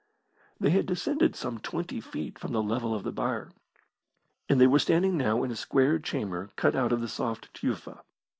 They had descended some twenty feet from the level of the byre, and they were standing now in a square chamber cut out of the soft tufa.